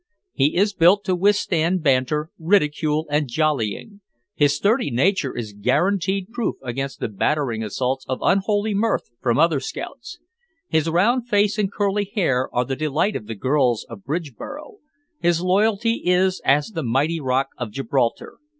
He is built to withstand banter, ridicule and jollying; his sturdy nature is guaranteed proof against the battering assaults of unholy mirth from other scouts; his round face and curly hair are the delight of the girls of Bridgeboro; his loyalty is as the mighty rock of Gibraltar.